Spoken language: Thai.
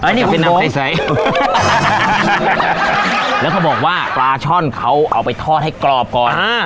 อันนี้เป็นน้ำใสแล้วเขาบอกว่าปลาช่อนเขาเอาไปทอดให้กรอบก่อน